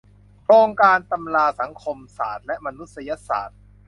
โครงการตำราสังคมศาสตร์และมนุษยศาสตร์